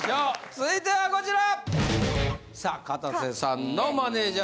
続いてはこちら。